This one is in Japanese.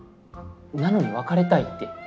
なのに別れたいって。